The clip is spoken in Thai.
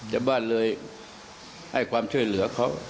ชาวบ้านเลยให้ความช่วยเหลือเขา